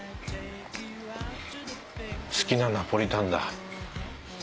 好きなナポリタンだ。